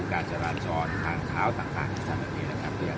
การจราจรทางเท้าต่างในประชาภัครัฐเหลงนะครับ